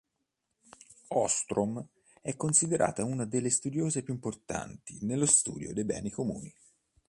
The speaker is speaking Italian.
Ostrom è considerata una delle studiose più importanti nello studio dei beni comuni.